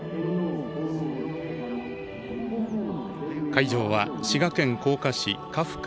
会場は滋賀県甲賀市鹿深